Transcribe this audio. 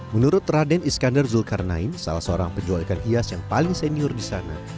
menurut raden iskandar zulkarnain salah seorang penjual ikan hias yang paling senior di sana